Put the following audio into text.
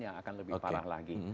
yang akan lebih parah lagi